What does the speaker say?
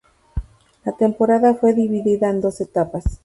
La temporada fue dividida en dos etapas.